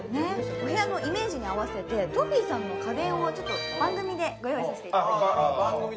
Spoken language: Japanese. お部屋のイメージに合わせて、Ｔｏｆｆｙさんの家電を番組でご用意させていただきました。